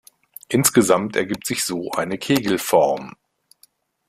Insgesamt ergibt sich so eine Kegelform.